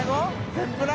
天ぷら？